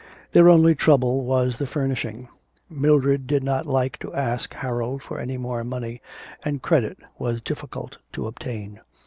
Their only trouble was the furnishing. Mildred did not like to ask Harold for any more money, and credit was difficult to obtain.